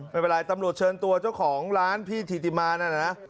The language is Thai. ไม่เป็นไรตำรวจเชิญตัวเจ้าของร้านพี่ถิติมานั่นนะ